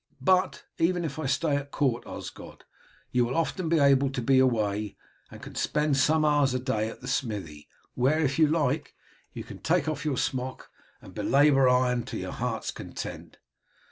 But even if I stay at court, Osgod, you will often be able to be away, and can spend some hours a day at the smithy, where, if you like, you can take off your smock and belabour iron to your heart's content.